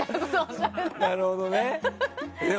なるほどね。